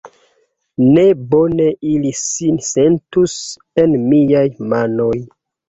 Ne bone ili sin sentus en miaj manoj!